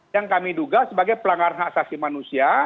yang kami duga sebagai pelanggaran hak asasi manusia